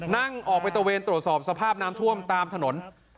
นั่งออกไปตะเวนตรวจสอบสภาพน้ำท่วมตามถนน